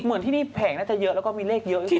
เหมือนที่นี่แผงน่าจะเยอะแล้วก็มีเลขเยอะจริง